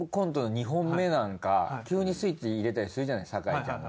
急にスイッチ入れたりするじゃない酒井ちゃんが。